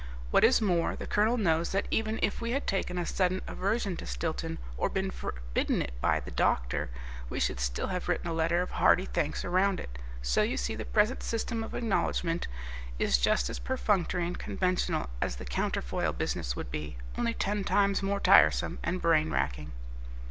What is more, the Colonel knows that even if we had taken a sudden aversion to Stilton or been forbidden it by the doctor, we should still have written a letter of hearty thanks around it. So you see the present system of acknowledgment is just as perfunctory and conventional as the counterfoil business would be, only ten times more tiresome and brain racking."